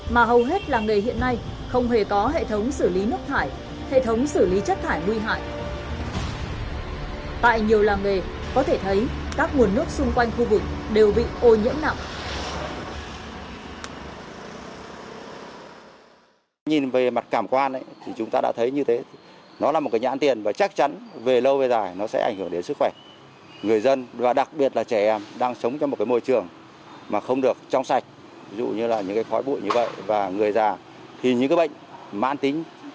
mà hầu hết làng nghề hiện nay không hề có hệ thống xử lý nước thải hệ thống xử lý chất thải nguy hại